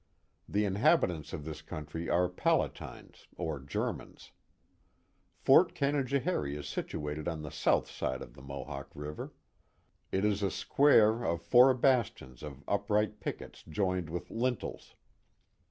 The inhabitants of this country are Palatines or Germans. Fort Canajoharie is situated on the south side of the Mohawk River. It is a square of four bastions of upright pickets joined with lintels.